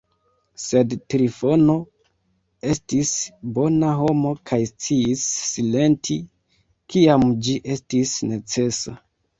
Sed Trifono estis bona homo kaj sciis silenti, kiam ĝi estis necesa.